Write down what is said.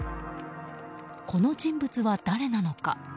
この人物は誰なのか。